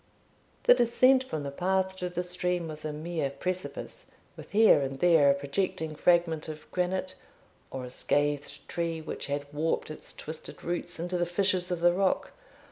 The descent from the path to the stream was a mere precipice, with here and there a projecting fragment of granite, or a scathed tree, which had warped its twisted roots into the fissures of the rock.